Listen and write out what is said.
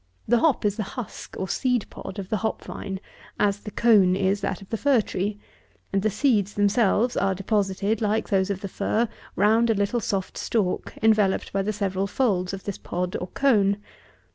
The hop is the husk, or seed pod, of the hop vine, as the cone is that of the fir tree; and the seeds themselves are deposited, like those of the fir, round a little soft stalk, enveloped by the several folds of this pod, or cone.